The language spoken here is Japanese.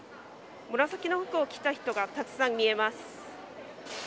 紫の服を着た人がたくさん見えます。